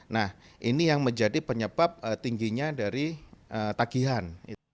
nah ini yang menjadi penyebab tingginya dari tagihan